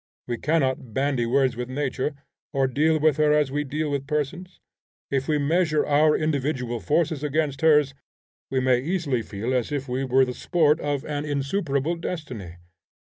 We cannot bandy words with Nature, or deal with her as we deal with persons. If we measure our individual forces against hers we may easily feel as if we were the sport of an insuperable destiny.